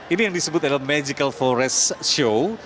ini yang disebut adalah magical forest show